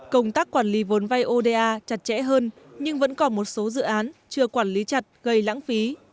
công tác quản lý vốn vay oda chặt chẽ hơn nhưng vẫn còn một số dự án chưa quản lý chặt gây lãng phí